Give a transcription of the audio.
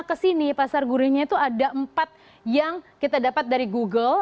kesini pasar gurihnya itu ada empat yang kita dapat dari google